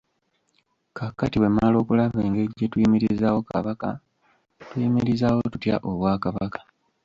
Kaakati bwe mmala okulaba engeri gye tuyimirizaawo Kabaka, tuyimirizaawo tutya Obwakabaka?